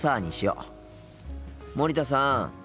森田さん。